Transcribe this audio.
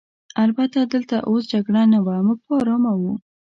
البته دلته اوس جګړه نه وه، موږ په آرامه وو.